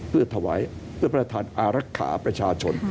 เพื่อถวายเพื่อประธานอารักษาประชาชน